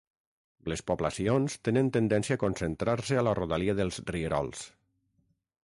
Les poblacions tenen tendència a concentrar-se a la rodalia dels rierols.